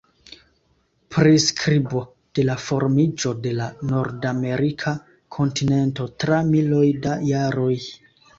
Priskribo de la formiĝo de la nordamerika kontinento tra miloj da jaroj.